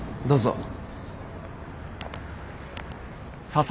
どうぞ。